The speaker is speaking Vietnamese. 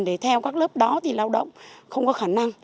để theo các lớp đó thì lao động không có khả năng